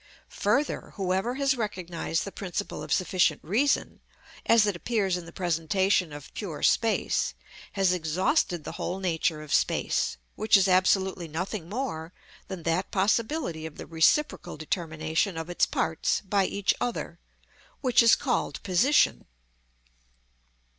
Further, whoever has recognised the principle of sufficient reason as it appears in the presentation of pure space, has exhausted the whole nature of space, which is absolutely nothing more than that possibility of the reciprocal determination of its parts by each other, which is called position.